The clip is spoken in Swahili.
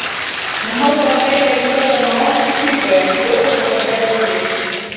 nahodha wa meli alipata maonyo sita ya kuwepo kwa hatari hiyo